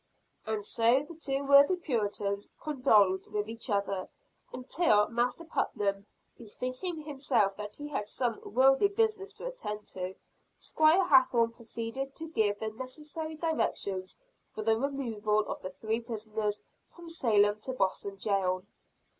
And so the two worthy Puritans condoled with each other, until, Master Putnam, bethinking himself that he had some worldly business to attend to, Squire Hathorne proceeded to give the necessary directions for the removal of the three prisoners from Salem to Boston jail.